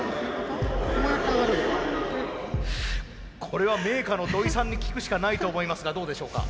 これはメーカーの土井さんに聞くしかないと思いますがどうでしょうか？